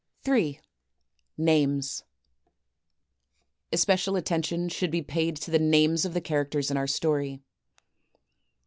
J. Names Especial attention should be paid to the names of the characters in our story.